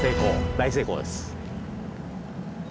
大成功です！